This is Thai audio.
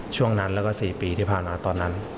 ช่วงนั้นแล้วก็๔ปีที่ผ่านมาตอนนั้น